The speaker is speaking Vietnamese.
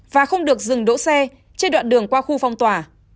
và không được dừng đỗ xe trên đoạn đường qua khu phong tỏa